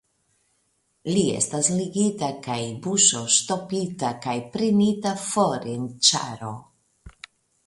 Li estas ligita kaj buŝoŝtopita kaj prenita for en ĉaro.